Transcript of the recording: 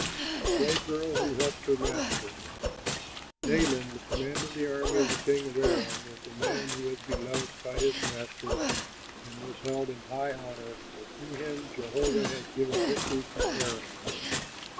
A SLAVE GIRL WHO HELPED HER MASTER Naaman, the commander of the army of the king of Aram, was a man who was beloved by his master and was held in high honor, for through him Jehovah had given victory to Aram.